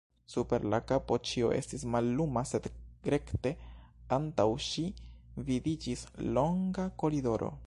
Super la kapo ĉio estis malluma, sed rekte antaŭ ŝi vidiĝis longa koridoro.